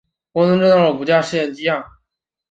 共制造了五架试验样机。